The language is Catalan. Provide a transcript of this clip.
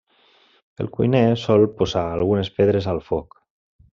El cuiner sol posar algunes pedres al foc.